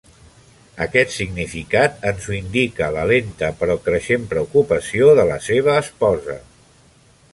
Aquest significat ens ho indica la lenta però creixent preocupació de la seva esposa.